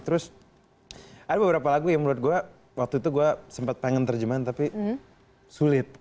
terus ada beberapa lagu yang menurut gue waktu itu gue sempat pengen terjemahan tapi sulit